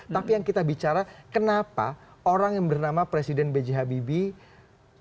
tapi yang kita bicara kenapa orang yang bernama presiden b j habibie